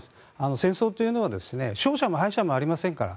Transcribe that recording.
戦争というのは勝者も敗者もありませんから。